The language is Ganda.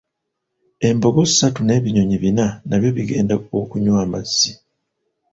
Embogo satu n'ebinyonyi bina nabyo bigenda okunywa amazzi.